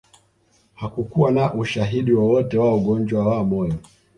Hakukuwa na ushahidi wowote wa ugonjwa wa moyo